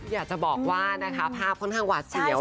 อยากจะบอกว่านะคะภาพค่อนข้างหวาดเสียว